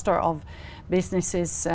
tôi rất vui vì